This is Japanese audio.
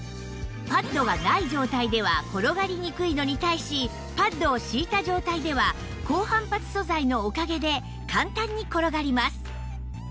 パッドがない状態では転がりにくいのに対しパッドを敷いた状態では高反発素材のおかげで簡単に転がります